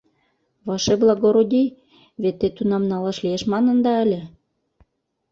— Ваше благородий, вет те тунам налаш лиеш манында ыле?